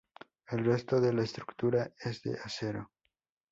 El resto de la estructura es de acero.